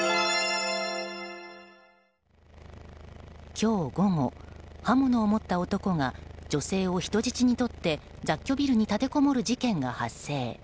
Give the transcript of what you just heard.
今日午後、刃物を持った男が女性を人質にとって雑居ビルに立てこもる事件が発生。